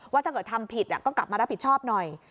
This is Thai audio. ถ้าเกิดทำผิดก็กลับมารับผิดชอบหน่อย